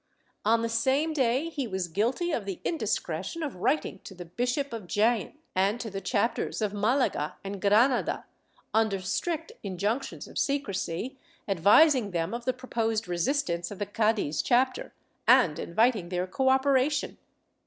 On the same day he was guilty of the indis cretion of writing to the Bishop of Jaen and to the chapters of Malaga and Granada, under strict injunctions of secrecy, advising them of the proposed resistance of the Cadiz chapter and inviting their cooperation.